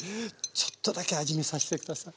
ちょっとだけ味見させて下さい。